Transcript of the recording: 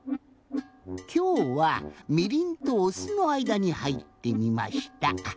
きょうはみりんとおすのあいだにはいってみました。